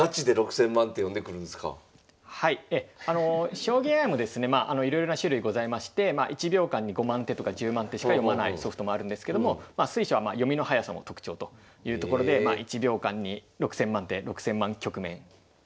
将棋ＡＩもですねいろいろな種類ございまして１秒間に５万手とか１０万手しか読まないソフトもあるんですけども水匠は読みの速さも特徴というところで１秒間に６，０００万手６，０００万局面読んでしまうと。